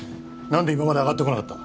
何で今まであがってこなかった？